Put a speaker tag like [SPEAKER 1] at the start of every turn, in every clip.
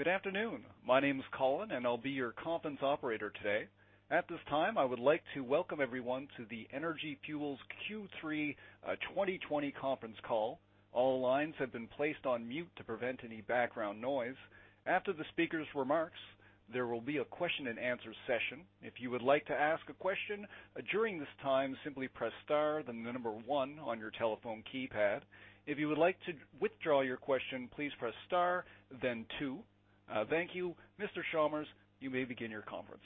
[SPEAKER 1] Good afternoon. My name is Colin, and I'll be your conference operator today. At this time, I would like to welcome everyone to the Energy Fuels Q3 2020 conference call. All lines have been placed on mute to prevent any background noise. After the speaker's remarks, there will be a question and answer session. If you would like to ask a question, during this time, simply press star, then the number one on your telephone keypad. If you would like to withdraw your question, please press star, then two. Thank you. Mr. Chalmers, you may begin your conference.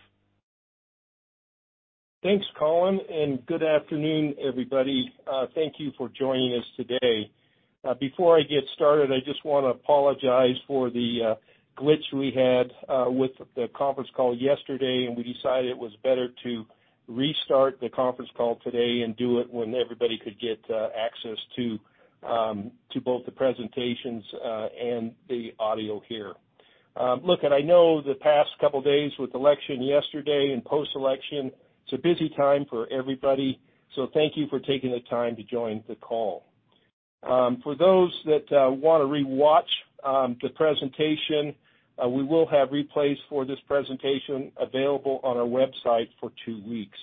[SPEAKER 2] Thanks, Colin, and good afternoon, everybody. Thank you for joining us today. Before I get started, I just wanna apologize for the glitch we had with the conference call yesterday, and we decided it was better to restart the conference call today and do it when everybody could get access to both the presentations and the audio here. Look, and I know the past couple days with election yesterday and post-election, it's a busy time for everybody, so thank you for taking the time to join the call. For those that wanna rewatch the presentation, we will have replays for this presentation available on our website for two weeks.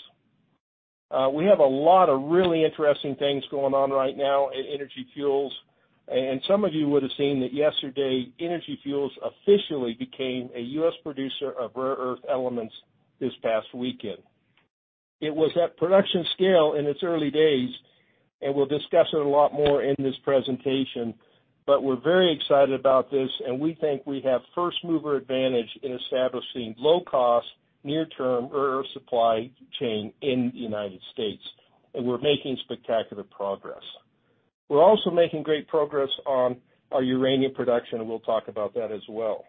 [SPEAKER 2] We have a lot of really interesting things going on right now at Energy Fuels, and some of you would have seen that yesterday, Energy Fuels officially became a U.S. producer of rare earth elements this past weekend. It was at production scale in its early days, and we'll discuss it a lot more in this presentation, but we're very excited about this, and we think we have first-mover advantage in establishing low-cost, near-term rare earth supply chain in the United States, and we're making spectacular progress. We're also making great progress on our uranium production, and we'll talk about that as well.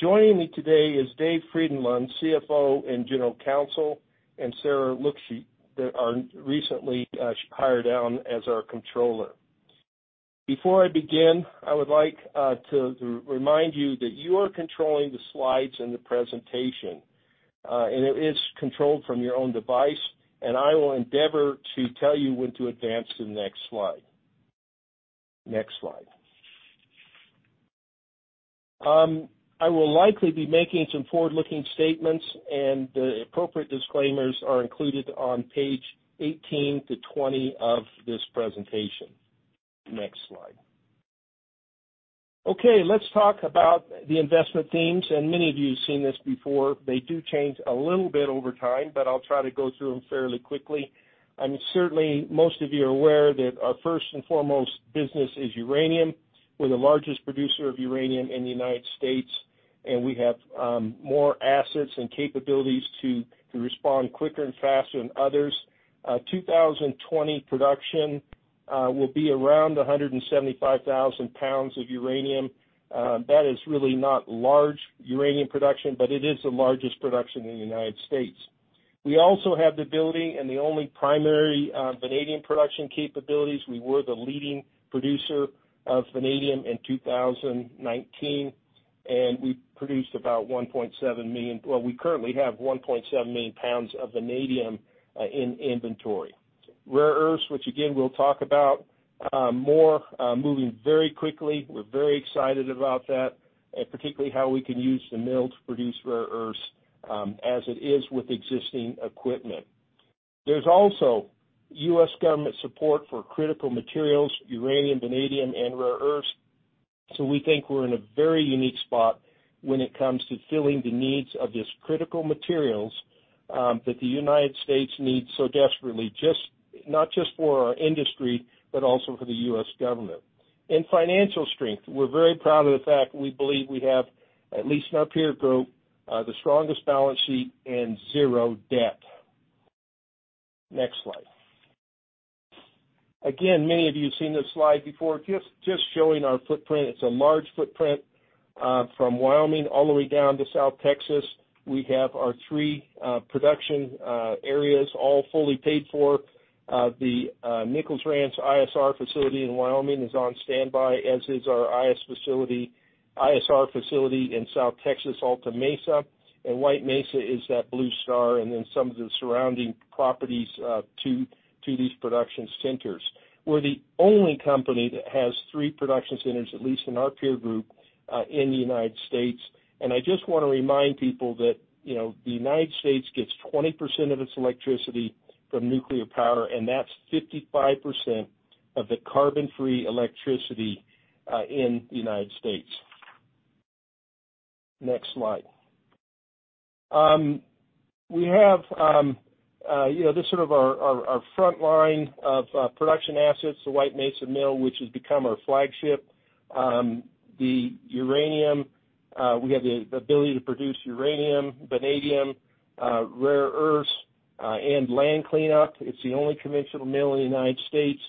[SPEAKER 2] Joining me today is Dave Frydenlund, CFO and General Counsel, and Sarah Letts, that our recently hired on as our controller. Before I begin, I would like to remind you that you are controlling the slides and the presentation, and it is controlled from your own device, and I will endeavor to tell you when to advance to the next slide. Next slide. I will likely be making some forward-looking statements, and the appropriate disclaimers are included on page 18 to 20 of this presentation. Next slide. Okay, let's talk about the investment themes, and many of you have seen this before. They do change a little bit over time, but I'll try to go through them fairly quickly. Certainly, most of you are aware that our first and foremost business is uranium. We're the largest producer of uranium in the United States, and we have more assets and capabilities to respond quicker and faster than others. 2020 production will be around 175,000 lbs of uranium. That is really not large uranium production, but it is the largest production in the United States. We also have the ability and the only primary vanadium production capabilities. We were the leading producer of vanadium in 2019, and we produced about 1.7 million-- Well, we currently have 1.7 million lbs of vanadium in inventory. Rare earths, which again, we'll talk about more, moving very quickly. We're very excited about that, and particularly how we can use the mill to produce rare earths, as it is with existing equipment. There's also U.S. government support for critical materials, uranium, vanadium, and rare earths, so we think we're in a very unique spot when it comes to filling the needs of these critical materials that the United States needs so desperately, just not just for our industry, but also for the U.S. government. In financial strength, we're very proud of the fact we believe we have, at least in our peer group, the strongest balance sheet and zero debt. Next slide. Again, many of you have seen this slide before. Just showing our footprint. It's a large footprint from Wyoming all the way down to South Texas. We have our three production areas, all fully paid for. The Nichols Ranch ISR facility in Wyoming is on standby, as is our ISR facility in South Texas, Alta Mesa, and White Mesa, that blue star, and then some of the surrounding properties to these production centers. We're the only company that has three production centers, at least in our peer group, in the United States. I just wanna remind people that, you know, the United States gets 20% of its electricity from nuclear power, and that's 55% of the carbon-free electricity in the United States. Next slide. We have, you know, this is sort of our front line of production assets, the White Mesa Mill, which has become our flagship. The uranium, we have the ability to produce uranium, vanadium, rare earths, and land cleanup. It's the only conventional mill in the United States.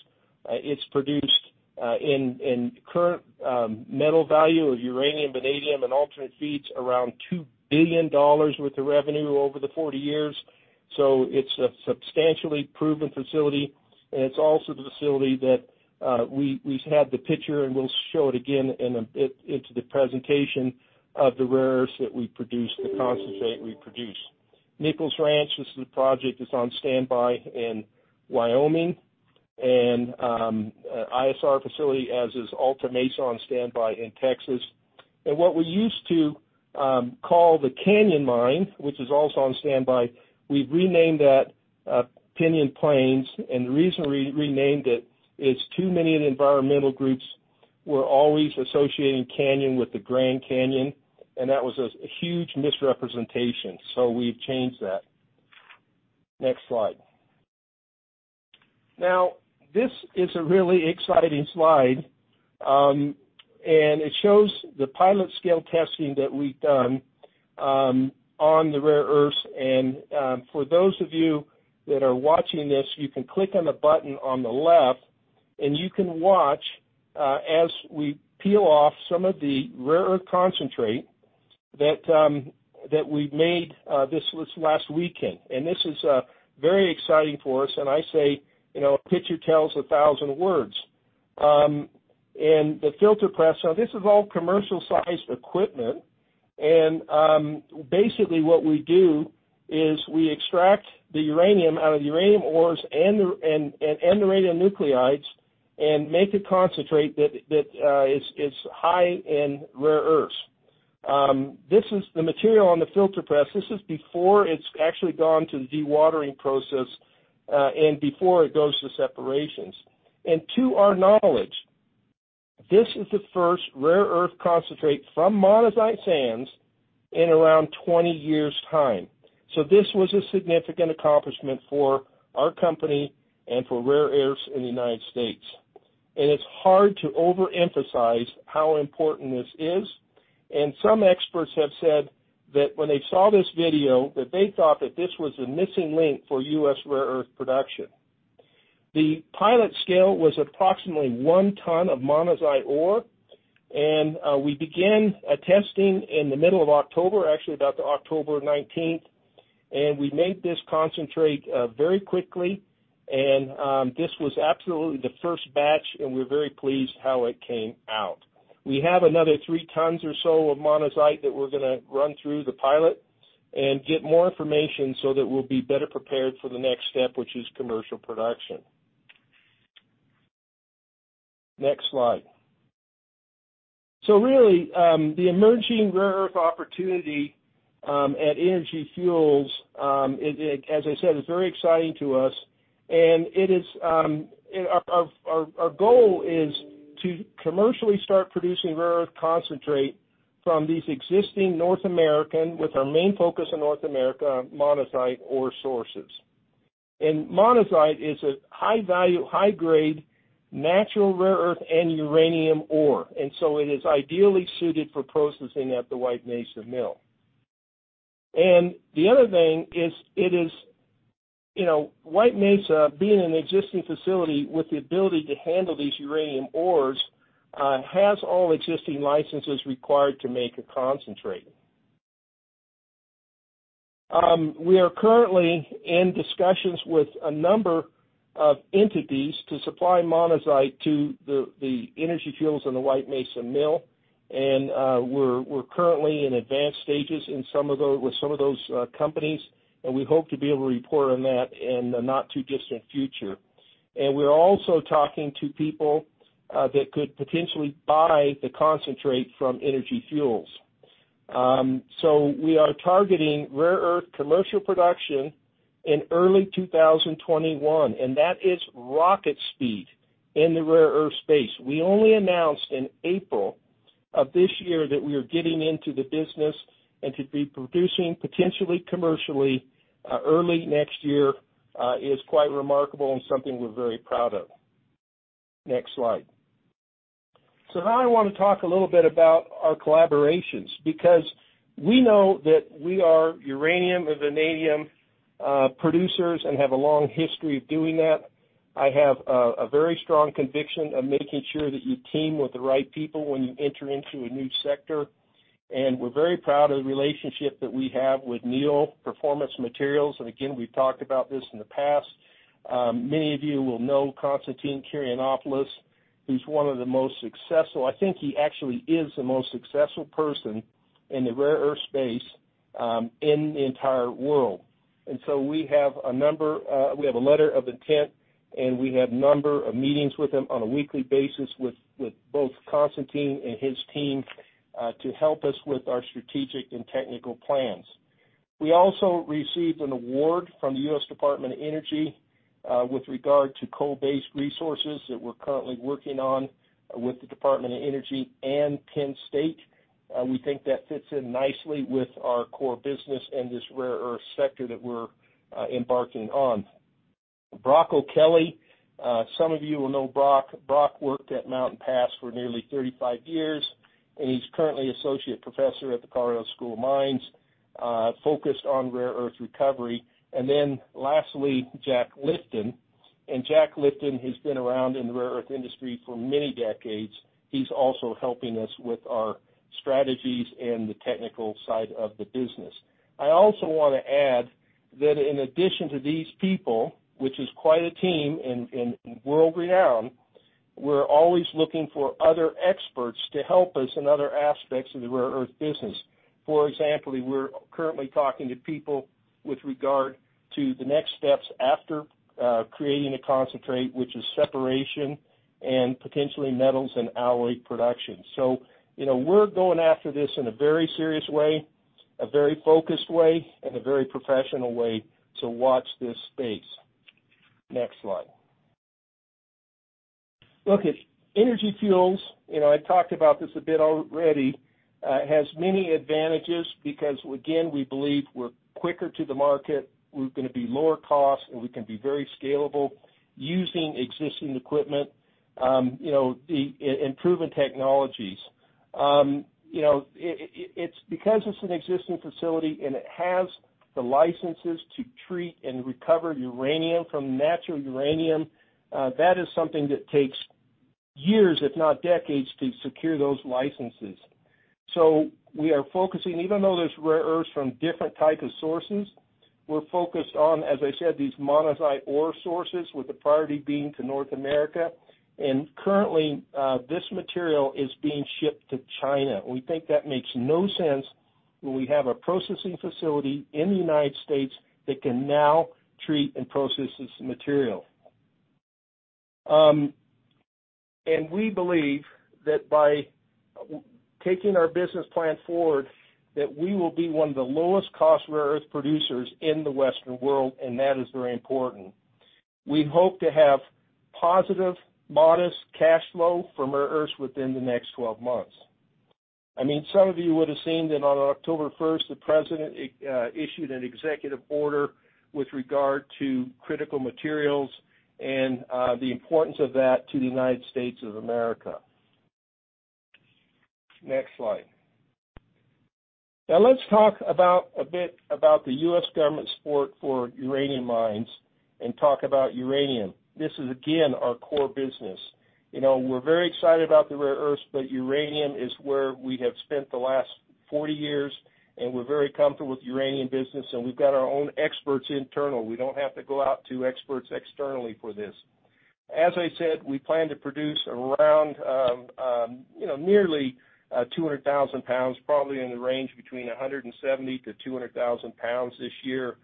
[SPEAKER 2] It's produced, in current metal value of uranium, vanadium, and alternate feeds, around $2 billion worth of revenue over the 40 years. So it's a substantially proven facility, and it's also the facility that, we had the picture, and we'll show it again in a bit into the presentation of the rare earths that we produce, the concentrate we produce. Nichols Ranch, this is the project that's on standby in Wyoming, and ISR facility, as is Alta Mesa on standby in Texas. And what we used to call the Canyon Mine, which is also on standby, we've renamed that, Pinyon Plain. The reason we renamed it is too many of the environmental groups were always associating Canyon with the Grand Canyon, and that was a huge misrepresentation, so we've changed that. Next slide. Now, this is a really exciting slide, and it shows the pilot scale testing that we've done, on the rare earths. And, for those of you that are watching this, you can click on the button on the left, and you can watch, as we peel off some of the rare earth concentrate that we made, this was last weekend. And this is, very exciting for us, and I say, you know, a picture tells a thousand words. And the filter press, so this is all commercial-sized equipment. Basically, what we do is we extract the uranium out of the uranium ores and the radionuclides, and make a concentrate that is high in rare earths. This is the material on the filter press. This is before it's actually gone to the dewatering process, and before it goes to separations. And to our knowledge, this is the first rare earth concentrate from monazite sands in around 20 years' time. So this was a significant accomplishment for our company and for rare earths in the United States. And it's hard to overemphasize how important this is, and some experts have said that when they saw this video, that they thought that this was the missing link for U.S. rare earth production. The pilot scale was approximately 1 ton of monazite ore, and we began testing in the middle of October, actually about October nineteenth, and we made this concentrate very quickly, and this was absolutely the first batch, and we're very pleased how it came out. We have another 3 tons or so of monazite that we're gonna run through the pilot and get more information so that we'll be better prepared for the next step, which is commercial production. Next slide. So really, the emerging rare earth opportunity at Energy Fuels, it, as I said, is very exciting to us, and it is, and our goal is to commercially start producing rare earth concentrate from these existing North American, with our main focus on North America, monazite ore sources. Monazite is a high-value, high-grade, natural, rare earth, and uranium ore, and so it is ideally suited for processing at the White Mesa Mill. The other thing is, it is, you know, White Mesa, being an existing facility with the ability to handle these uranium ores, has all existing licenses required to make a concentrate. We are currently in discussions with a number of entities to supply monazite to the Energy Fuels and the White Mesa Mill, and we're currently in advanced stages with some of those companies, and we hope to be able to report on that in the not-too-distant future. We're also talking to people that could potentially buy the concentrate from Energy Fuels. So we are targeting rare earth commercial production in early 2021, and that is rocket speed in the rare earth space. We only announced in April of this year that we are getting into the business, and to be producing potentially commercially early next year is quite remarkable and something we're very proud of. Next slide. So now I wanna talk a little bit about our collaborations, because we know that we are uranium and vanadium producers and have a long history of doing that. I have a very strong conviction of making sure that you team with the right people when you enter into a new sector, and we're very proud of the relationship that we have with Neo Performance Materials. And again, we've talked about this in the past. Many of you will know Constantine Karayannopoulos, who's one of the most successful—I think he actually is the most successful person in the rare earth space, in the entire world. And so we have a number, we have a letter of intent, and we have a number of meetings with him on a weekly basis with both Constantine and his team, to help us with our strategic and technical plans. We also received an award from the U.S. Department of Energy, with regard to coal-based resources that we're currently working on with the Department of Energy and Penn State. We think that fits in nicely with our core business and this rare earth sector that we're embarking on. Brock O'Kelley, some of you will know Brock. Brock worked at Mountain Pass for nearly 35 years, and he's currently Associate Professor at the Colorado School of Mines, focused on rare earth recovery. Then lastly, Jack Lifton. Jack Lifton has been around in the rare earth industry for many decades. He's also helping us with our strategies and the technical side of the business. I also want to add that in addition to these people, which is quite a team and world-renowned. We're always looking for other experts to help us in other aspects of the rare earth business. For example, we're currently talking to people with regard to the next steps after creating a concentrate, which is separation and potentially metals and alloy production. So, you know, we're going after this in a very serious way, a very focused way, and a very professional way, so watch this space. Next slide. Look at Energy Fuels, you know, I talked about this a bit already, has many advantages because, again, we believe we're quicker to the market, we're gonna be lower cost, and we can be very scalable using existing equipment, you know, the improving technologies. It's because it's an existing facility, and it has the licenses to treat and recover uranium from natural uranium, that is something that takes years, if not decades, to secure those licenses. So we are focusing, even though there's rare earths from different type of sources, we're focused on, as I said, these monazite ore sources, with the priority being to North America. And currently, this material is being shipped to China. We think that makes no sense when we have a processing facility in the United States that can now treat and process this material. And we believe that by taking our business plan forward, that we will be one of the lowest cost rare earth producers in the Western world, and that is very important. We hope to have positive, modest cash flow from rare earths within the next 12 months. I mean, some of you would have seen that on October first, the president issued an executive order with regard to critical materials and, the importance of that to the United States of America. Next slide. Now, let's talk about a bit about the U.S. government support for uranium mines and talk about uranium. This is, again, our core business. You know, we're very excited about the rare earths, but uranium is where we have spent the last 40 years, and we're very comfortable with the uranium business, and we've got our own experts internal. We don't have to go out to experts externally for this. As I said, we plan to produce around, you know, nearly, 200,000 lbs, probably in the range between 170,000-200,000 lbs this year.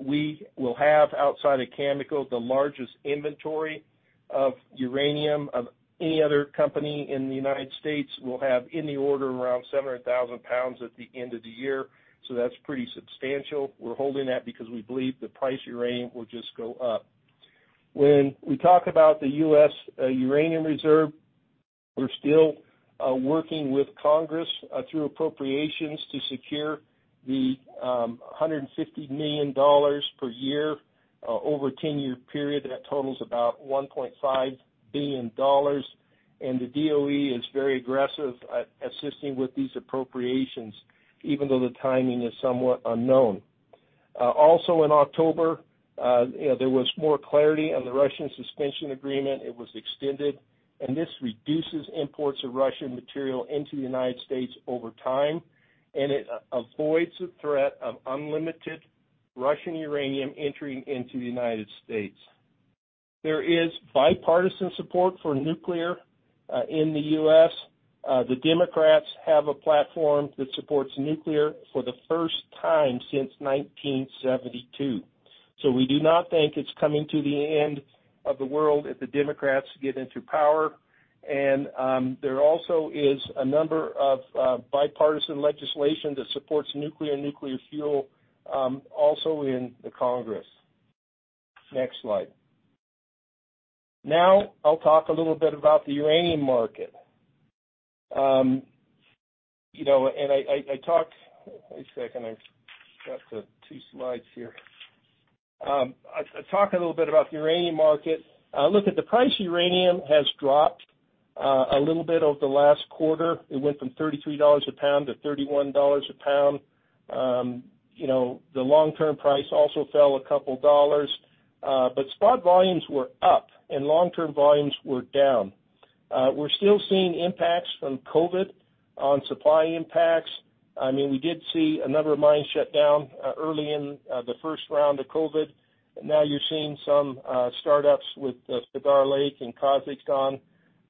[SPEAKER 2] We will have, outside of Cameco, the largest inventory of uranium of any other company in the United States. We'll have in the order around 700,000 lbs at the end of the year, so that's pretty substantial. We're holding that because we believe the price of uranium will just go up. When we talk about the U.S. uranium reserve, we're still, working with Congress, through appropriations to secure the, $150 million per year, over a 10-year period, that totals about $1.5 billion. The DOE is very aggressive at assisting with these appropriations, even though the timing is somewhat unknown. Also in October, you know, there was more clarity on the Russian Suspension Agreement. It was extended, and this reduces imports of Russian material into the United States over time, and it avoids the threat of unlimited Russian uranium entering into the United States. There is bipartisan support for nuclear in the U.S. The Democrats have a platform that supports nuclear for the first time since 1972. So we do not think it's coming to the end of the world if the Democrats get into power. There also is a number of bipartisan legislation that supports nuclear and nuclear fuel also in the Congress. Next slide. Now, I'll talk a little bit about the uranium market. You know, wait a second, I've got the two slides here. I talked a little bit about the uranium market. Look at the price of uranium has dropped a little bit over the last quarter. It went from $33 a pound to $31 a pound. You know, the long-term price also fell a couple dollars, but spot volumes were up and long-term volumes were down. We're still seeing impacts from COVID on supply impacts. I mean, we did see a number of mines shut down early in the first round of COVID. Now you're seeing some startups with the Cigar Lake in Kazakhstan.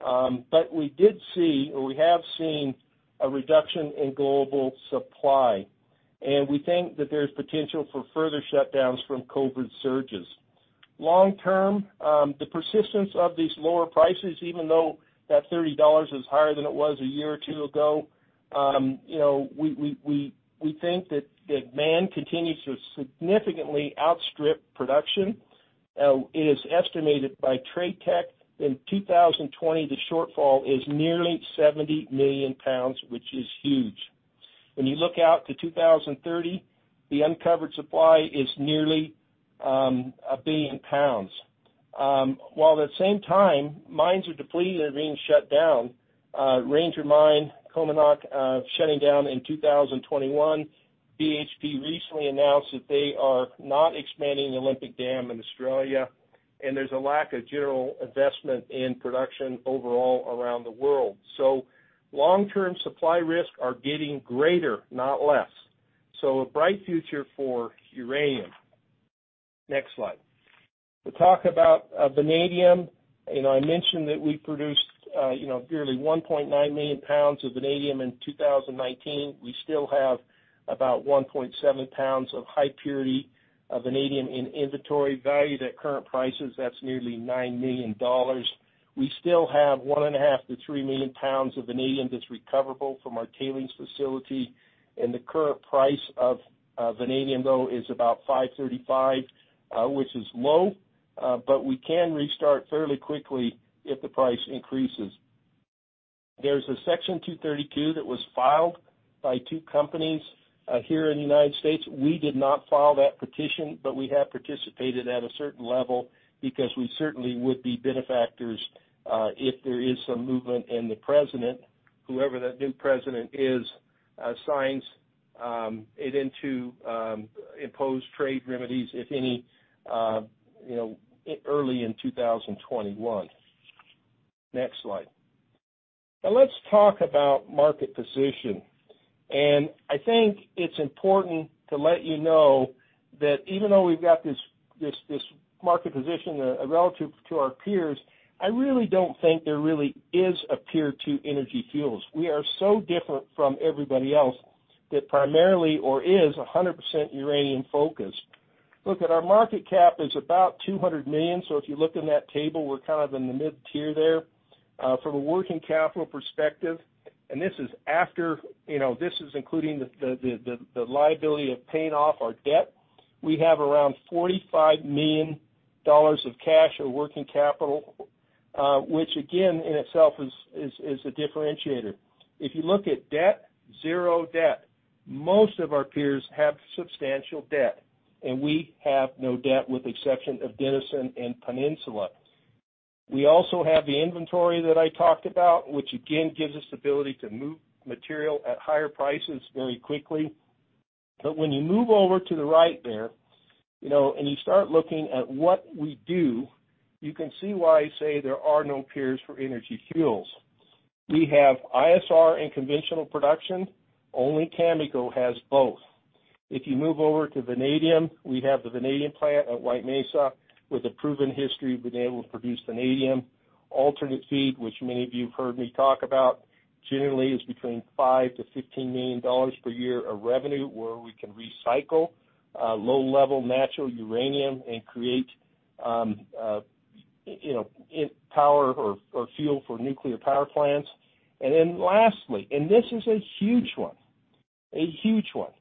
[SPEAKER 2] But we did see, or we have seen, a reduction in global supply, and we think that there's potential for further shutdowns from COVID surges. Long term, the persistence of these lower prices, even though that $30 is higher than it was a year or two ago, you know, we think that demand continues to significantly outstrip production. It is estimated by TradeTech, in 2020, the shortfall is nearly 70 million lbs, which is huge. When you look out to 2030, the uncovered supply is nearly 1 billion lbs. While at the same time, mines are depleted, they're being shut down. Ranger Mine, Cominak, shutting down in 2021. BHP recently announced that they are not expanding the Olympic Dam in Australia, and there's a lack of general investment in production overall around the world. So long-term supply risks are getting greater, not less. So a bright future for uranium.... Next slide. We'll talk about vanadium, and I mentioned that we produced, you know, nearly 1.9 million lbs of vanadium in 2019. We still have about 1.7 million lbs of high purity vanadium in inventory, valued at current prices, that's nearly $9 million. We still have 1.5 million lbs-3 million lbs of vanadium that's recoverable from our tailings facility, and the current price of vanadium, though, is about $5.35, which is low, but we can restart fairly quickly if the price increases. There's a Section 232 that was filed by two companies here in the United States. We did not file that petition, but we have participated at a certain level because we certainly would be benefactors if there is some movement and the president, whoever that new president is, signs it into impose trade remedies, if any, you know, early in 2021. Next slide. Now, let's talk about market position. I think it's important to let you know that even though we've got this market position relative to our peers, I really don't think there really is a peer to Energy Fuels. We are so different from everybody else that primarily or is a hundred percent uranium focused. Look at our market cap is about $200 million, so if you look in that table, we're kind of in the mid-tier there. From a working capital perspective, and this is after, you know, this is including the liability of paying off our debt, we have around $45 million of cash or working capital, which again, in itself is a differentiator. If you look at debt, zero debt. Most of our peers have substantial debt, and we have no debt with exception of Denison and Peninsula. We also have the inventory that I talked about, which again, gives us the ability to move material at higher prices very quickly. But when you move over to the right there, you know, and you start looking at what we do, you can see why I say there are no peers for Energy Fuels. We have ISR and conventional production. Only Cameco has both. If you move over to vanadium, we have the vanadium plant at White Mesa, with a proven history of being able to produce vanadium. Alternate Feed, which many of you have heard me talk about, generally is between $5 million-$15 million per year of revenue, where we can recycle, low-level natural uranium and create, you know, in power or, or fuel for nuclear power plants. And then lastly, and this is a huge one, a huge one,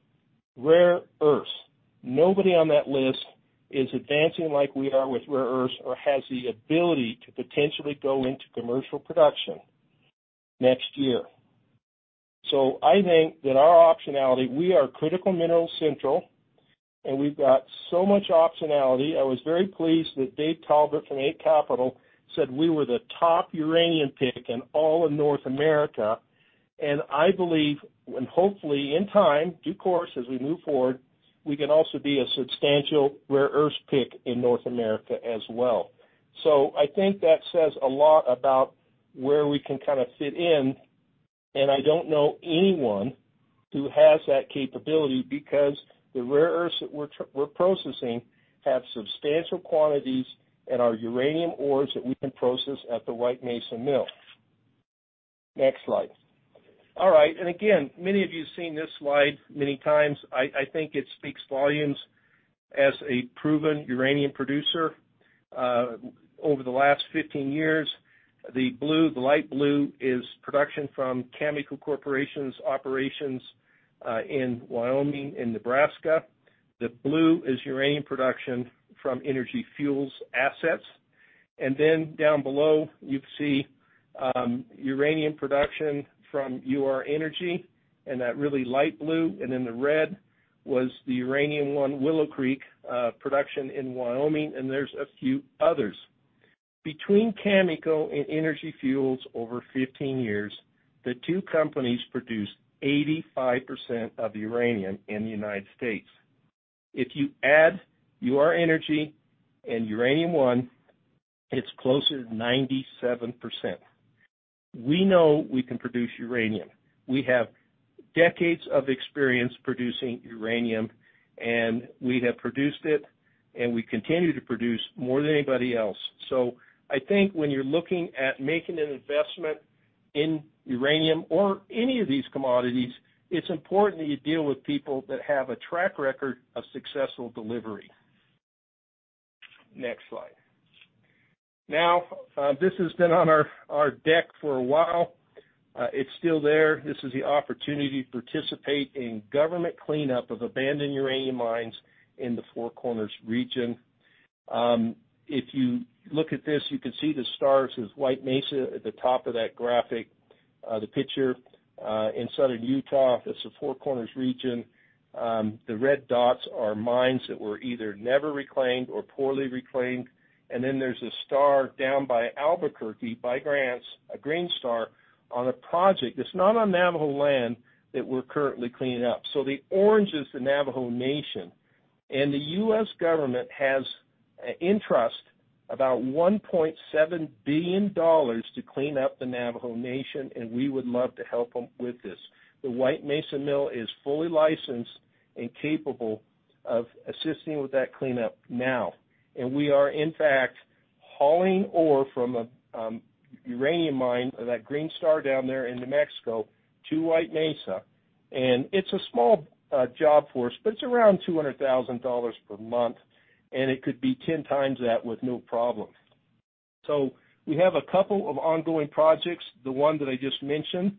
[SPEAKER 2] rare earths. Nobody on that list is advancing like we are with rare earths or has the ability to potentially go into commercial production next year. So I think that our optionality, we are critical mineral central, and we've got so much optionality. I was very pleased that Dave Talbot from Eight Capital said we were the top uranium pick in all of North America, and I believe, and hopefully in time, due course, as we move forward, we can also be a substantial rare earth pick in North America as well. So I think that says a lot about where we can kind of fit in, and I don't know anyone who has that capability because the rare earths that we're processing have substantial quantities and are uranium ores that we can process at the White Mesa Mill. Next slide. All right, and again, many of you have seen this slide many times. I think it speaks volumes as a proven uranium producer. Over the last 15 years, the blue, the light blue is production from Cameco Corporation's operations in Wyoming and Nebraska. The blue is uranium production from Energy Fuels assets. Then down below, you see uranium production from Ur-Energy, and that really light blue, and then the red was the Uranium One Willow Creek production in Wyoming, and there's a few others. Between Cameco and Energy Fuels over 15 years, the two companies produced 85% of the uranium in the United States. If you add Ur-Energy and Uranium One, it's closer to 97%. We know we can produce uranium. We have decades of experience producing uranium, and we have produced it, and we continue to produce more than anybody else. So I think when you're looking at making an investment in uranium or any of these commodities, it's important that you deal with people that have a track record of successful delivery. Next slide. Now, this has been on our deck for a while. It's still there. This is the opportunity to participate in government cleanup of abandoned uranium mines in the Four Corners region. If you look at this, you can see the stars is White Mesa at the top of that graphic, the picture, in southern Utah. That's the Four Corners region. The red dots are mines that were either never reclaimed or poorly reclaimed. And then there's a star down by Albuquerque, by Grants, a green star, on a project that's not on Navajo land that we're currently cleaning up. So the orange is the Navajo Nation, and the U.S. government has an interest, about $1.7 billion to clean up the Navajo Nation, and we would love to help them with this. The White Mesa Mill is fully licensed and capable of assisting with that cleanup now, and we are, in fact, hauling ore from a uranium mine, that Green Star down there in New Mexico, to White Mesa. It's a small job for us, but it's around $200,000 per month, and it could be ten times that with no problem. So we have a couple of ongoing projects, the one that I just mentioned,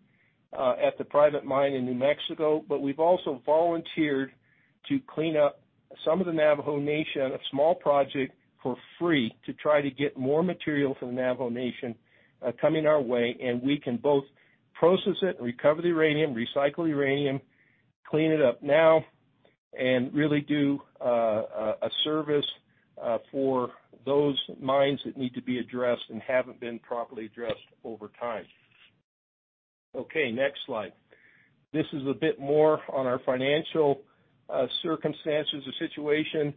[SPEAKER 2] at the private mine in New Mexico, but we've also volunteered to clean up some of the Navajo Nation, a small project, for free, to try to get more material from the Navajo Nation, coming our way, and we can both process it, recover the uranium, recycle the uranium, clean it up now, and really do a service for those mines that need to be addressed and haven't been properly addressed over time. Okay, next slide. This is a bit more on our financial circumstances and situation.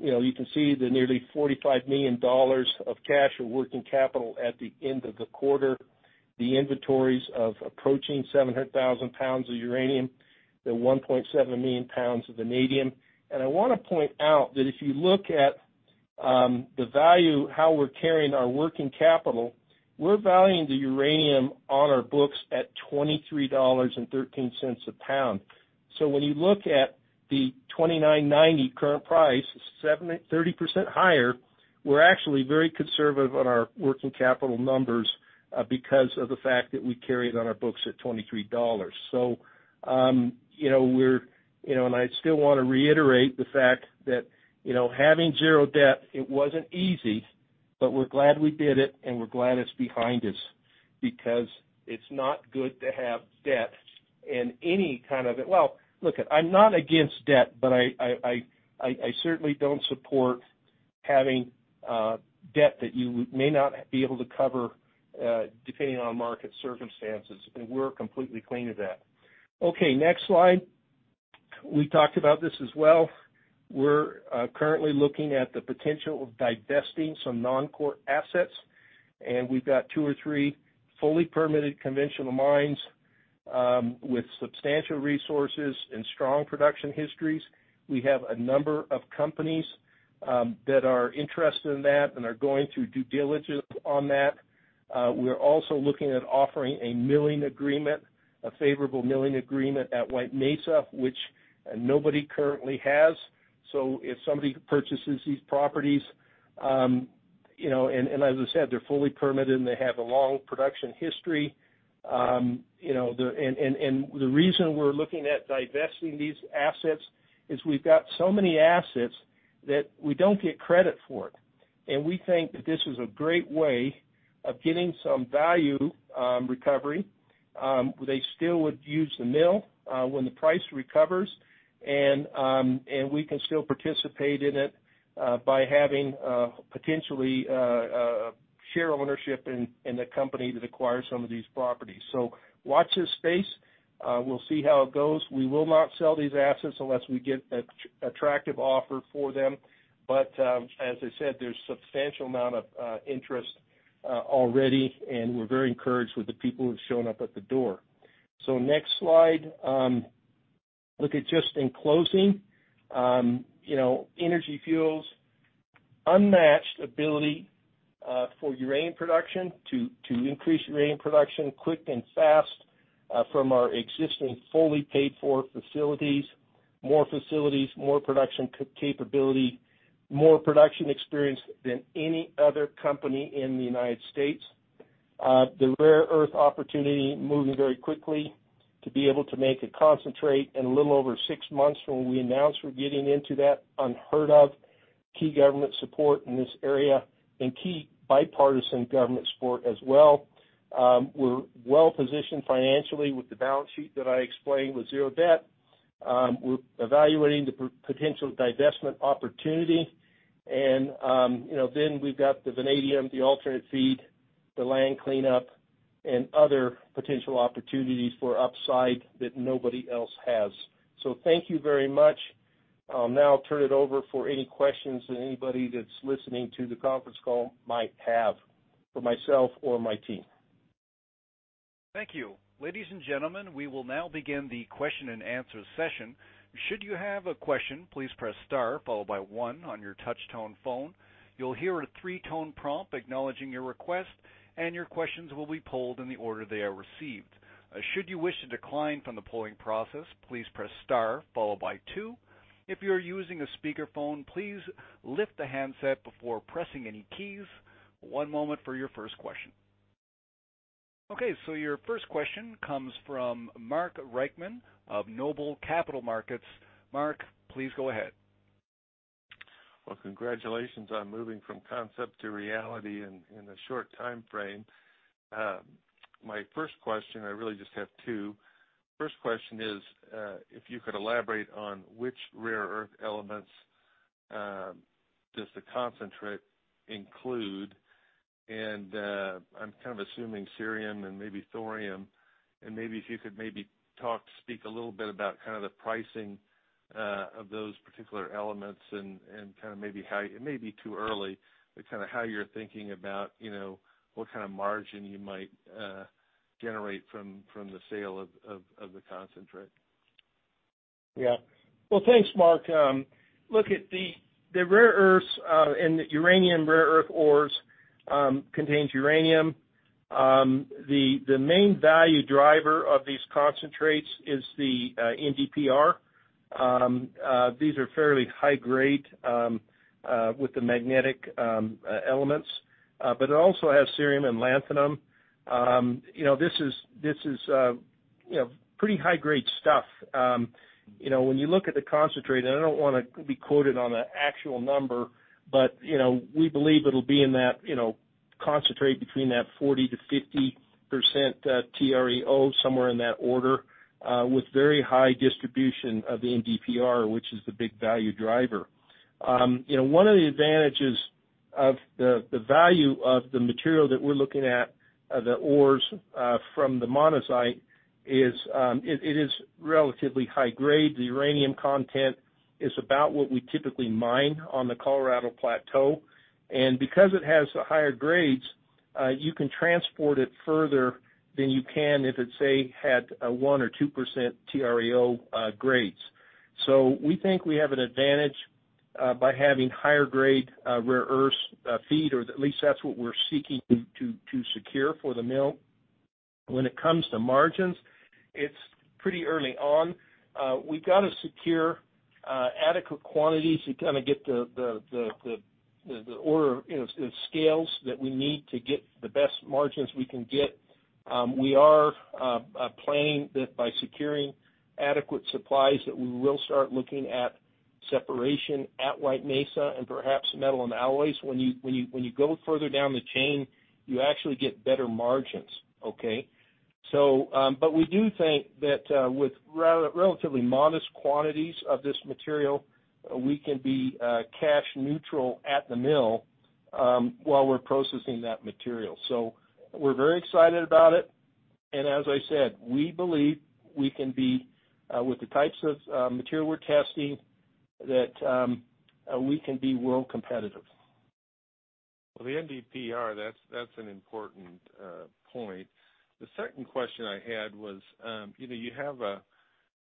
[SPEAKER 2] You know, you can see the nearly $45 million of cash or working capital at the end of the quarter, the inventories of approaching 700,000 lbs of uranium, the 1.7 million lbs of vanadium. I wanna point out that if you look at the value, how we're carrying our working capital, we're valuing the uranium on our books at $23.13 a pound. So when you look at the $29.90 current price, 30% higher, we're actually very conservative on our working capital numbers because of the fact that we carry it on our books at $23. So, you know, you know, and I still wanna reiterate the fact that, you know, having zero debt, it wasn't easy, but we're glad we did it, and we're glad it's behind us because it's not good to have debt in any kind of it. Well, look, I'm not against debt, but I certainly don't support having debt that you may not be able to cover depending on market circumstances, and we're completely clean of that. Okay, next slide. We talked about this as well. We're currently looking at the potential of divesting some non-core assets, and we've got two or three fully permitted conventional mines with substantial resources and strong production histories. We have a number of companies that are interested in that and are going through due diligence on that. We're also looking at offering a milling agreement, a favorable milling agreement at White Mesa, which nobody currently has. So if somebody purchases these properties, you know, and as I said, they're fully permitted, and they have a long production history. You know, the reason we're looking at divesting these assets is we've got so many assets that we don't get credit for it, and we think that this is a great way of getting some value recovery. They still would use the mill when the price recovers, and we can still participate in it by having potentially share ownership in the company that acquires some of these properties. So watch this space. We'll see how it goes. We will not sell these assets unless we get attractive offer for them. But, as I said, there's substantial amount of interest already, and we're very encouraged with the people who've shown up at the door. So next slide. Look, just in closing, you know, Energy Fuels' unmatched ability for uranium production to increase uranium production quick and fast from our existing fully paid for facilities, more facilities, more production capability, more production experience than any other company in the United States. The rare earth opportunity moving very quickly to be able to make a concentrate in a little over six months from when we announced we're getting into that, unheard of. Key government support in this area and key bipartisan government support as well. We're well positioned financially with the balance sheet that I explained with zero debt. We're evaluating the potential divestment opportunity and, you know, then we've got the vanadium, the alternate feed, the land cleanup, and other potential opportunities for upside that nobody else has. So thank you very much. Now I'll turn it over for any questions that anybody that's listening to the conference call might have for myself or my team.
[SPEAKER 1] Thank you. Ladies and gentlemen, we will now begin the question-and-answer session. Should you have a question, please press star, followed by one on your touchtone phone. You'll hear a three-tone prompt acknowledging your request, and your questions will be polled in the order they are received. Should you wish to decline from the polling process, please press star, followed by two. If you're using a speakerphone, please lift the handset before pressing any keys. One moment for your first question. Okay, so your first question comes from Mark Reichman of Noble Capital Markets. Mark, please go ahead.
[SPEAKER 3] Well, congratulations on moving from concept to reality in a short timeframe. My first question, I really just have two. First question is, if you could elaborate on which rare earth elements does the concentrate include? And, I'm kind of assuming cerium and maybe thorium, and maybe if you could maybe talk, speak a little bit about kind of the pricing of those particular elements and kind of maybe how, it may be too early, but kind of how you're thinking about, you know, what kind of margin you might generate from the sale of the concentrate.
[SPEAKER 2] Yeah. Well, thanks, Mark. Look at the rare earths and the uranium rare earth ores contains uranium. The main value driver of these concentrates is the NdPr. These are fairly high grade with the magnetic elements, but it also has cerium and lanthanum. You know, this is, this is, you know, pretty high-grade stuff. You know, when you look at the concentrate, and I don't wanna be quoted on the actual number, but, you know, we believe it'll be in that, you know, concentrate between that 40%-50% TREO, somewhere in that order, with very high distribution of the NdPr, which is the big value driver. You know, one of the advantages of the value of the material that we're looking at, the ores from the monazite is it is relatively high grade. The uranium content is about what we typically mine on the Colorado Plateau. And because it has higher grades, you can transport it further than you can if it's, say, had a 1% or 2% TREO grades. So we think we have an advantage by having higher grade rare earths feed, or at least that's what we're seeking to secure for the mill. When it comes to margins, it's pretty early on. We've got to secure adequate quantities to kind of get the order, you know, the scales that we need to get the best margins we can get. We are planning that by securing adequate supplies, that we will start looking at separation at White Mesa and perhaps metal and alloys. When you go further down the chain, you actually get better margins, okay? So, but we do think that with relatively modest quantities of this material, we can be cash neutral at the mill, while we're processing that material. So we're very excited about it. And as I said, we believe we can be with the types of material we're testing, that we can be world competitive.
[SPEAKER 3] Well, the NdPr, that's an important point. The second question I had was, you know, you have a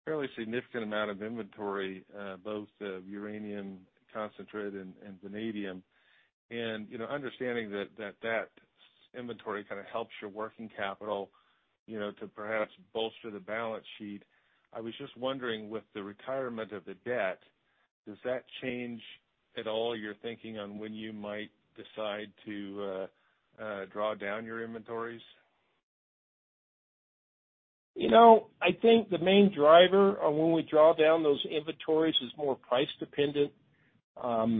[SPEAKER 3] fairly significant amount of inventory, both of uranium concentrate and vanadium. And, you know, understanding that inventory kind of helps your working capital, you know, to perhaps bolster the balance sheet. I was just wondering, with the retirement of the debt, does that change at all your thinking on when you might decide to draw down your inventories?
[SPEAKER 2] You know, I think the main driver on when we draw down those inventories is more price dependent.
[SPEAKER 3] Okay.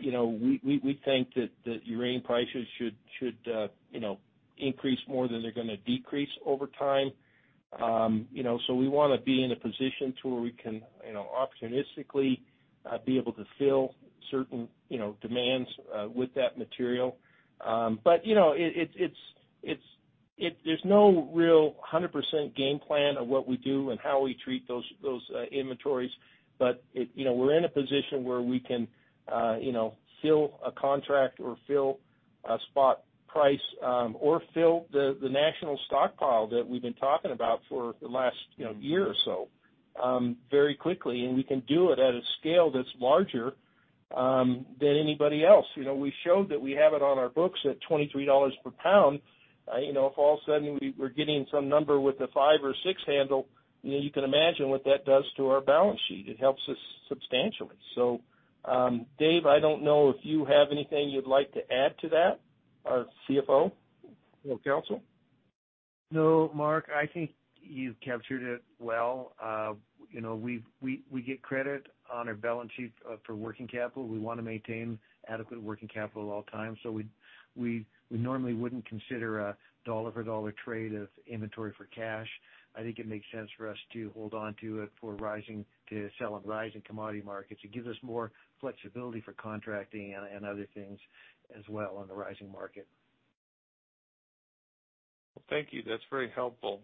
[SPEAKER 2] You know, we think that uranium prices should, you know, increase more than they're gonna decrease over time. You know, so we wanna be in a position to where we can, you know, opportunistically, be able to fill certain, you know, demands, with that material. But, you know, there's no real 100% game plan of what we do and how we treat those inventories. But you know, we're in a position where we can, you know, fill a contract or fill a spot price, or fill the national stockpile that we've been talking about for the last, you know, year or so, very quickly, and we can do it at a scale that's larger than anybody else. You know, we showed that we have it on our books at $23 per pound. You know, if all of a sudden we're getting some number with a 5 or 6 handle, you know, you can imagine what that does to our balance sheet. It helps us substantially. So, Dave, I don't know if you have anything you'd like to add to that, our CFO or counsel?
[SPEAKER 4] No, Mark, I think you've captured it well. You know, we get credit on our balance sheet for working capital. We wanna maintain adequate working capital at all times. So we normally wouldn't consider a dollar-for-dollar trade of inventory for cash. I think it makes sense for us to hold onto it for rising, to sell on rising commodity markets. It gives us more flexibility for contracting and other things as well on the rising market.
[SPEAKER 3] Well, thank you. That's very helpful.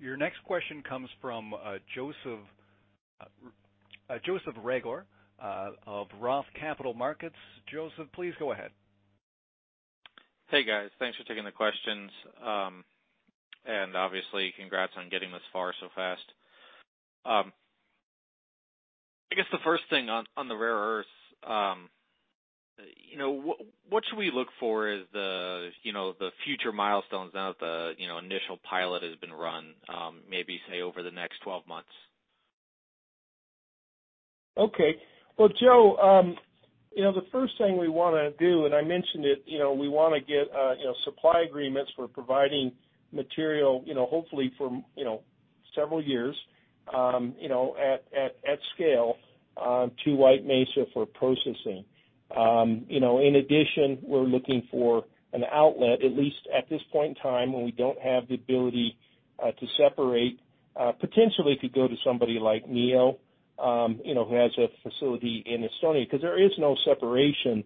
[SPEAKER 1] Your next question comes from Joseph Reagor of Roth Capital Markets. Joseph, please go ahead.
[SPEAKER 5] Hey, guys. Thanks for taking the questions. And obviously, congrats on getting this far so fast. I guess the first thing on the rare earths, you know, what should we look for as the, you know, the future milestones now that the, you know, initial pilot has been run, maybe, say, over the next 12 months?
[SPEAKER 2] Okay. Well, Joe, you know, the first thing we wanna do, and I mentioned it, you know, we wanna get, you know, supply agreements for providing material, you know, hopefully for, you know, several years, you know, at scale, to White Mesa for processing. You know, in addition, we're looking for an outlet, at least at this point in time, when we don't have the ability to separate, potentially to go to somebody like Neo, who has a facility in Estonia, because there is no separation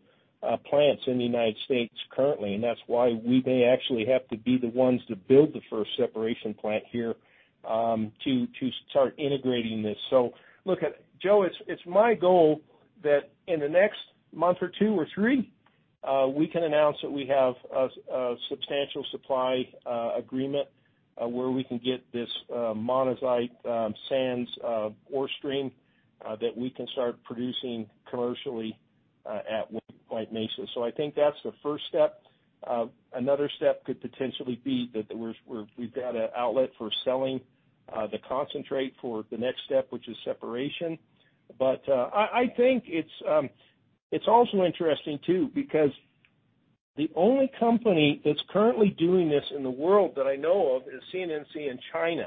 [SPEAKER 2] plants in the United States currently, and that's why we may actually have to be the ones to build the first separation plant here, to start integrating this. So look, Joe, it's my goal that in the next month or two or three, we can announce that we have a substantial supply agreement, where we can get this monazite sands ore stream, that we can start producing commercially at White Mesa. So I think that's the first step. Another step could potentially be that we've got an outlet for selling the concentrate for the next step, which is separation. But I think it's also interesting too, because the only company that's currently doing this in the world that I know of is CNNC in China.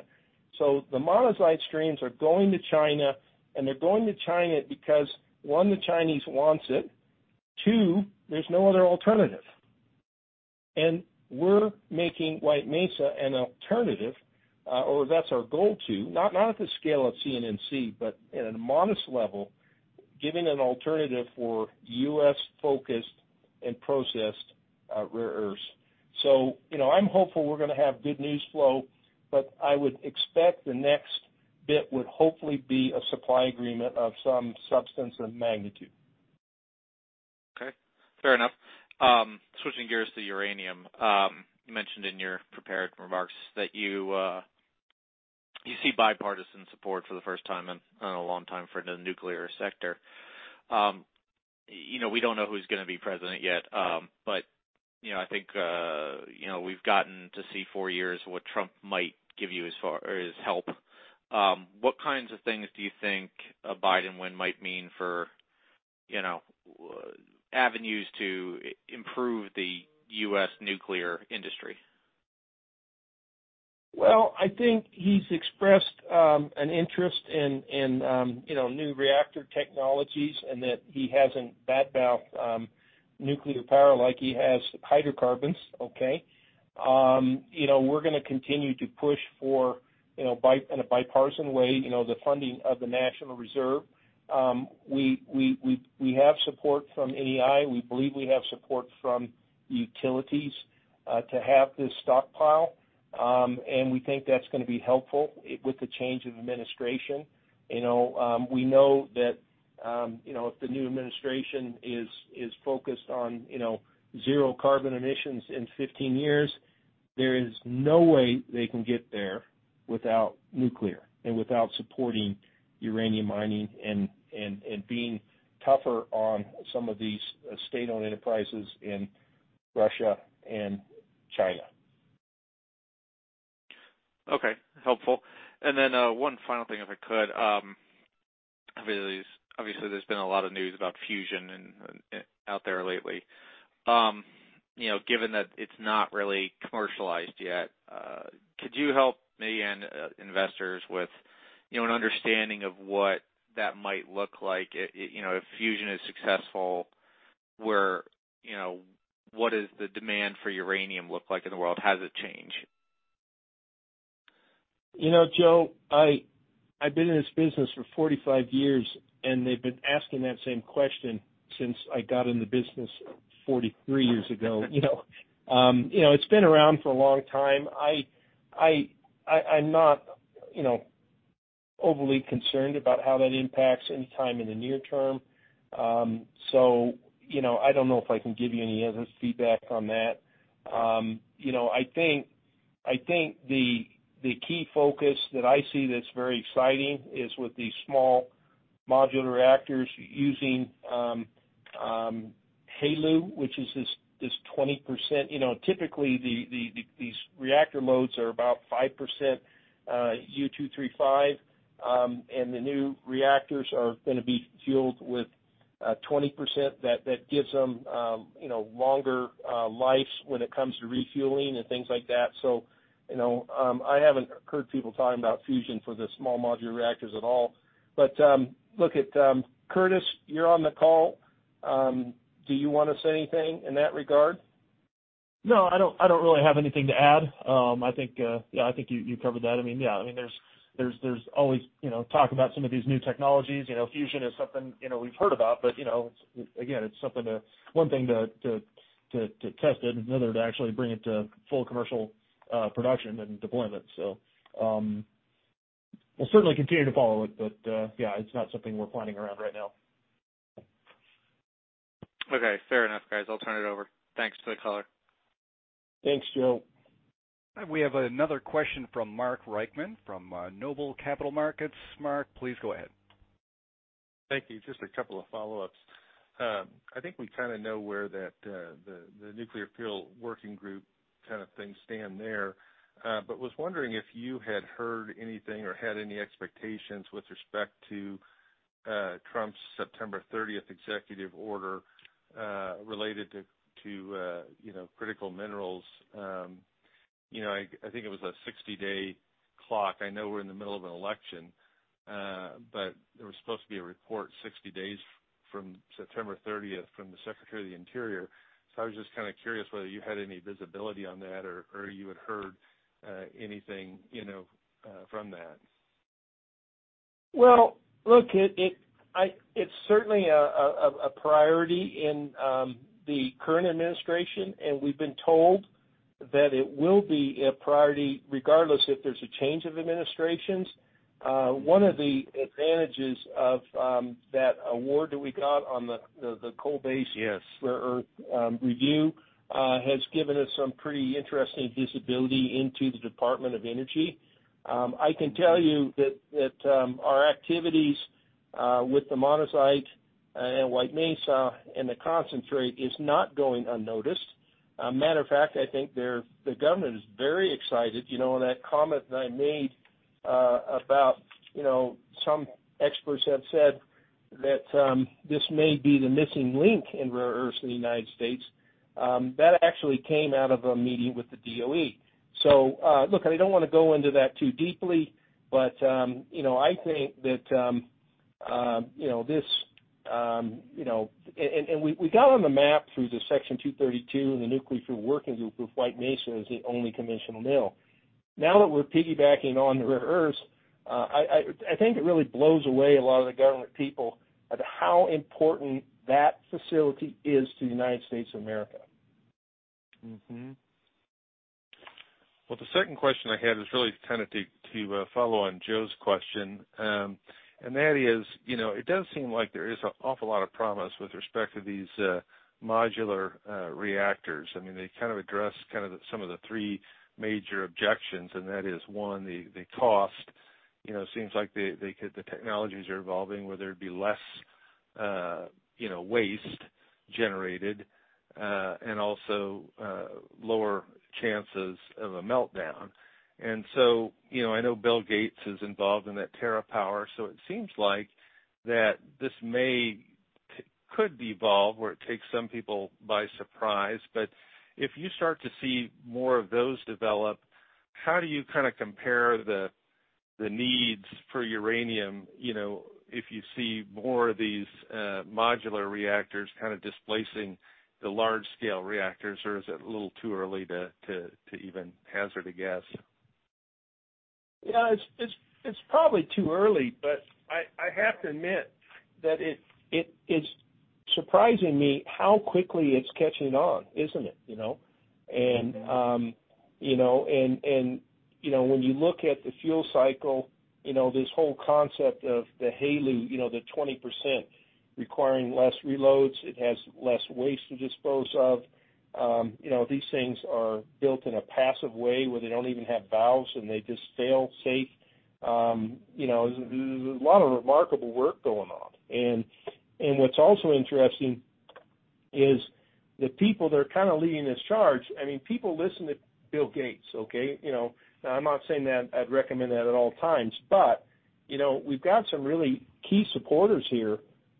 [SPEAKER 2] So the monazite streams are going to China, and they're going to China because, one, the Chinese wants it, two, there's no other alternative. We're making White Mesa an alternative, or that's our goal to, not, not at the scale of CNNC, but at a modest level, giving an alternative for U.S.-focused and processed rare earths. So, you know, I'm hopeful we're gonna have good news flow, but I would expect the next bit would hopefully be a supply agreement of some substance and magnitude.
[SPEAKER 5] Okay, fair enough. Switching gears to uranium. You mentioned in your prepared remarks that you see bipartisan support for the first time in a long time for the nuclear sector. You know, we don't know who's gonna be president yet, but, you know, I think, you know, we've gotten to see four years what Trump might give you as far as help. What kinds of things do you think a Biden win might mean for avenues to improve the U.S. nuclear industry?
[SPEAKER 2] Well, I think he's expressed an interest in you know, new reactor technologies and that he hasn't bad-mouthed nuclear power like he has hydrocarbons, okay? You know, we're gonna continue to push for you know, in a bipartisan way you know, the funding of the National Reserve. We have support from Neo Performance Materials. We believe we have support from utilities to have this stockpile. And we think that's gonna be helpful with the change of administration. You know, we know that you know, if the new administration is focused on you know, zero carbon emissions in 15 years, there is no way they can get there without nuclear and without supporting uranium mining and being tougher on some of these state-owned enterprises in Russia and China.
[SPEAKER 5] Okay. Helpful. And then, one final thing, if I could. Obviously, there's been a lot of news about fusion and out there lately. You know, given that it's not really commercialized yet, could you help me and investors with, you know, an understanding of what that might look like, you know, if fusion is successful, where, you know, what does the demand for uranium look like in the world? How does it change?
[SPEAKER 2] You know, Joe, I've been in this business for 45 years, and they've been asking that same question since I got in the business 43 years ago, you know? You know, it's been around for a long time. I'm not, you know, overly concerned about how that impacts anytime in the near term. So, you know, I don't know if I can give you any other feedback on that. You know, I think the key focus that I see that's very exciting is with these small modular reactors using HALEU, which is this 20%... You know, typically, these reactor loads are about 5%, U-235, and the new reactors are gonna be fueled with 20%. That, that gives them, you know, longer life when it comes to refueling and things like that. So, you know, I haven't heard people talking about fusion for the small modular reactors at all. But, look, Curtis, you're on the call. Do you want to say anything in that regard?
[SPEAKER 6] No, I don't, I don't really have anything to add. I think, yeah, I think you, you covered that. I mean, yeah, I mean, there's, there's, there's always, you know, talk about some of these new technologies. You know, fusion is something, you know, we've heard about, but, you know, again, it's something to- one thing to, to, to, to test it and another to actually bring it to full commercial, production and deployment. So, we'll certainly continue to follow it, but, yeah, it's not something we're planning around right now.
[SPEAKER 5] Okay. Fair enough, guys. I'll turn it over. Thanks for the call.
[SPEAKER 2] Thanks, Joe.
[SPEAKER 1] We have another question from Mark Reichman from Noble Capital Markets. Mark, please go ahead.
[SPEAKER 3] Thank you. Just a couple of follow-ups. I think we kind of know where that the nuclear fuel working group kind of thing stand there, but was wondering if you had heard anything or had any expectations with respect to Trump's September thirtieth executive order related to you know, critical minerals. You know, I think it was a 60-day clock. I know we're in the middle of an election, but there was supposed to be a report 60 days from September thirtieth from the Secretary of the Interior. So I was just kind of curious whether you had any visibility on that or you had heard anything you know from that?
[SPEAKER 2] Well, look, it's certainly a priority in the current administration, and we've been told that it will be a priority regardless if there's a change of administrations. One of the advantages of that award that we got on the coal base-
[SPEAKER 3] Yes.
[SPEAKER 2] Rare earth review has given us some pretty interesting visibility into the Department of Energy. I can tell you that our activities with the monazite and White Mesa and the concentrate is not going unnoticed. Matter of fact, I think the government is very excited. You know, in that comment that I made, you know, some experts have said that this may be the missing link in rare earths in the United States, that actually came out of a meeting with the DOE. So, look, I don't wanna go into that too deeply, but, you know, I think that, you know, this. You know, and we got on the map through the Section 232 and the Nuclear Fuel Working Group with White Mesa as the only conventional mill. Now that we're piggybacking on rare earths, I think it really blows away a lot of the government people at how important that facility is to the United States of America.
[SPEAKER 3] Mm-hmm. Well, the second question I had is really kind of to follow on Joe's question. And that is, you know, it does seem like there is an awful lot of promise with respect to these modular reactors. I mean, they kind of address some of the three major objections, and that is, one, the cost. You know, it seems like the technologies are evolving, where there'd be less, you know, waste generated, and also lower chances of a meltdown. And so, you know, I know Bill Gates is involved in that TerraPower, so it seems like that this may t- could evolve, or it takes some people by surprise. But if you start to see more of those develop, how do you kind of compare the needs for uranium, you know, if you see more of these, modular reactors kind of displacing the large-scale reactors, or is it a little too early to even hazard a guess?
[SPEAKER 2] Yeah, it's probably too early, but I have to admit that it's surprising me how quickly it's catching on, isn't it, you know?
[SPEAKER 3] Mm-hmm.
[SPEAKER 2] And you know, when you look at the fuel cycle, you know, this whole concept of the HALEU, you know, the 20% requiring less reloads, it has less waste to dispose of. You know, these things are built in a passive way, where they don't even have valves, and they just fail safe. You know, there's a lot of remarkable work going on. And what's also interesting is the people that are kind of leading this charge, I mean, people listen to Bill Gates, okay? You know, now, I'm not saying that I'd recommend that at all times, but, you know, we've got some really key supporters here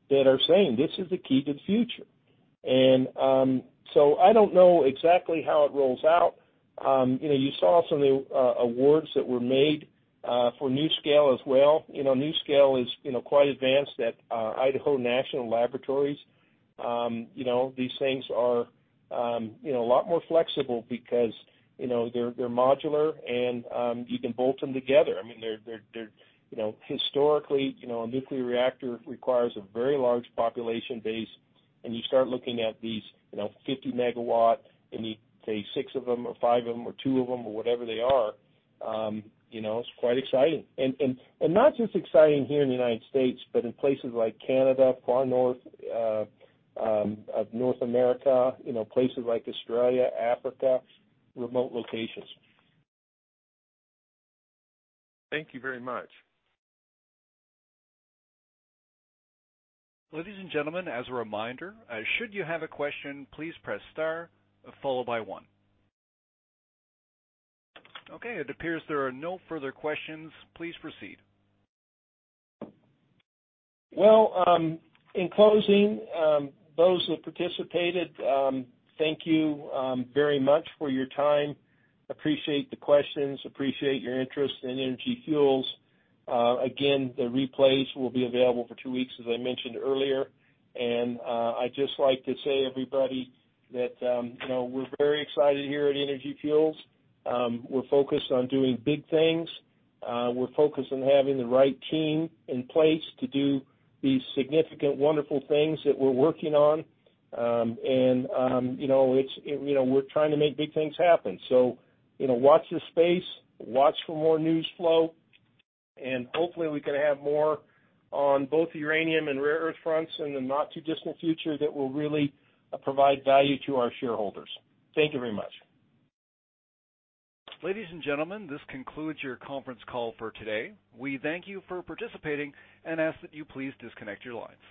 [SPEAKER 2] that are saying this is the key to the future. And so I don't know exactly how it rolls out. You know, you saw some of the awards that were made for NuScale as well. You know, NuScale is, you know, quite advanced at Idaho National Laboratory. You know, these things are, you know, a lot more flexible because, you know, they're modular, and you can bolt them together. I mean, they're... You know, historically, you know, a nuclear reactor requires a very large population base, and you start looking at these, you know, 50 MW, and you say six of them or five of them or two of them or whatever they are, you know, it's quite exciting. And not just exciting here in the United States, but in places like Canada, far north of North America, you know, places like Australia, Africa, remote locations.
[SPEAKER 3] Thank you very much.
[SPEAKER 1] Ladies and gentlemen, as a reminder, should you have a question, please press star followed by one. Okay, it appears there are no further questions. Please proceed.
[SPEAKER 2] Well, in closing, those who participated, thank you very much for your time. Appreciate the questions, appreciate your interest in Energy Fuels. Again, the replays will be available for two weeks, as I mentioned earlier. I'd just like to say, everybody, that, you know, we're very excited here at Energy Fuels. We're focused on doing big things. We're focused on having the right team in place to do the significant, wonderful things that we're working on. And, you know, it's, and you know, we're trying to make big things happen. So, you know, watch this space, watch for more news flow, and hopefully, we can have more on both the uranium and rare earth fronts in the not-too-distant future that will really provide value to our shareholders. Thank you very much.
[SPEAKER 1] Ladies and gentlemen, this concludes your conference call for today. We thank you for participating and ask that you please disconnect your line.